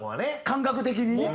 感覚的にね。